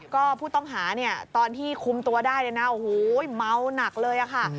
ก็ผู้ต้องหาตอนที่คุมตัวได้นะโอ้โหเมาหนักเลยอะค่ะ